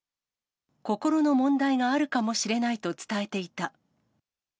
心の問題があるかもしれないと伝えていた。